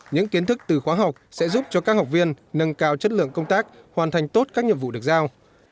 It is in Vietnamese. những kiến thức từ khóa học sẽ giúp cho các học viên nâng cao chất lượng công tác hoàn thành tốt các nhiệm vụ được giao